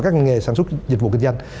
các nghề sản xuất dịch vụ kinh doanh